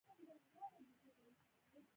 ټوله ورځ یې لانجې وي.